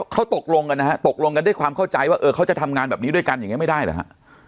เขาตกลงกันนะฮะตกลงกันด้วยความเข้าใจว่าเออเขาจะทำงานแบบนี้ด้วยกันอย่างนี้ไม่ได้เหรอฮะ